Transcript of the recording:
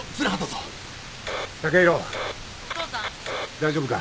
大丈夫か？